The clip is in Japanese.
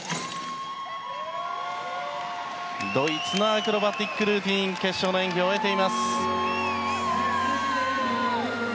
ドイツのアクロバティックルーティン決勝の演技を終えています。